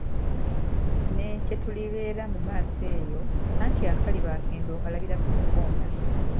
Ne kye tulibeera mu maaso eyo, anti akaliba akendo okalabira ku mukonda.